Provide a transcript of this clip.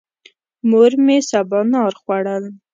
مور مې سبانار خوړل.